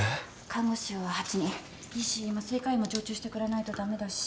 看護師は８人技師麻酔科医も常駐してくれないと駄目だし。